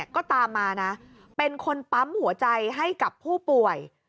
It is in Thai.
ก็ตามมานะเป็นคนปั๊มหัวใจให้กับผู้ป่วย